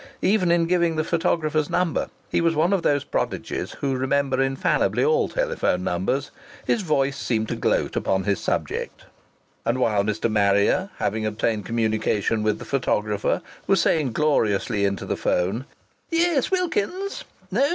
Even in giving the photographer's number he was one of those prodigies who remember infallibly all telephone numbers his voice seemed to gloat upon his project. (And while Mr. Marrier, having obtained communication with the photographer, was saying gloriously into the telephone: "Yes, Wilkins's. No.